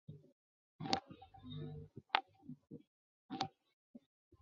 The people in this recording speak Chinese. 丹麦克朗是丹麦的法定货币。